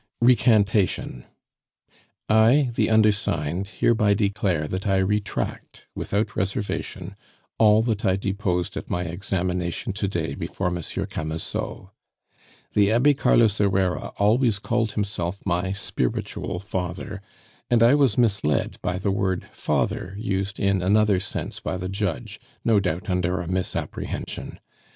"Recantation. "I, the undersigned, hereby declare that I retract, without reservation, all that I deposed at my examination to day before Monsieur Camusot. "The Abbe Carlos Herrera always called himself my spiritual father, and I was misled by the word father used in another sense by the judge, no doubt under a misapprehension.